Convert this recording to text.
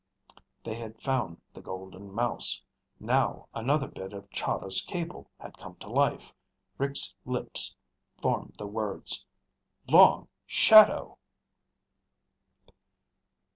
They had found the Golden Mouse. Now another bit of Chahda's cable had come to life. Rick's lips formed the words. "Long Shadow!"